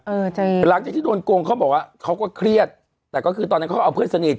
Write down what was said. จริงหลังจากที่โดนโกงเขาบอกว่าเขาก็เครียดแต่ก็คือตอนนั้นเขาก็เอาเพื่อนสนิท